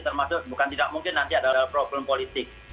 termasuk bukan tidak mungkin nanti ada problem politik